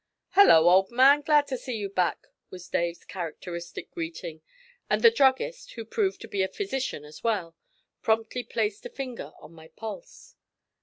'Hello, old man, glad to see you back,' was Dave's characteristic greeting, and the druggist, who proved to be a physician as well, promptly placed a finger on my pulse.